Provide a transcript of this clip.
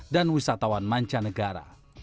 dan wisatawan mancanegara